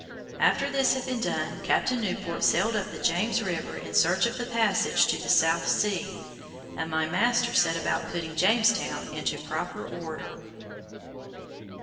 After this had been done, Captain Newport sailed up the James River in search of the passage to the South Sea, and my master set about putting Jamestown into proper order.